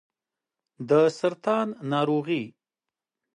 د سرطان ناروغي